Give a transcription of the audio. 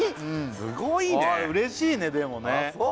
すごいねうれしいねでもねああ